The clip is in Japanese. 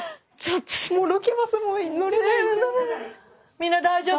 みんな大丈夫？